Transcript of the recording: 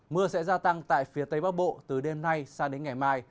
mưa sẽ gia tăng tại phía tây bắc bộ từ đêm nay sang đến ngày mai